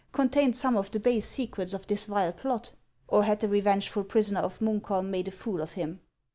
contained some of the base secrets of this vile plot ? Or had the revengeful prisoner of Munkholm made a fool of him